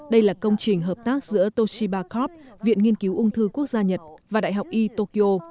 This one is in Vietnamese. đây là công trình hợp tác giữa toshiba corp viện nghiên cứu ung thư quốc gia nhật và đại học y tokyo